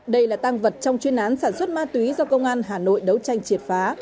đây là tang vật trong chuyên án sản xuất ma túy do công an hà nội đấu tranh triệt phá